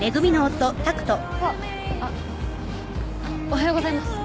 おはようございます。